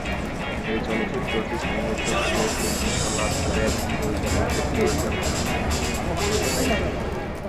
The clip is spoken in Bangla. এ চলচ্চিত্রটি সমালোচকদের প্রশংসা লাভ করে এবং পরিচালকের পরিচালনা প্রশংসা লাভ করে।